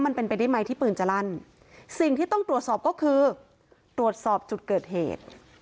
มันเป็นไปได้ไหมที่ปืนจะลั่นสิ่งที่ต้องตรวจสอบก็คือตรวจสอบจุดเกิดเหตุ